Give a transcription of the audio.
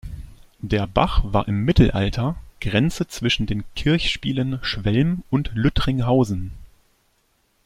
Der Bach war im Mittelalter Grenze zwischen den Kirchspielen Schwelm und Lüttringhausen.